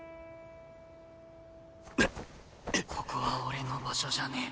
ここは俺の場所じゃねえ。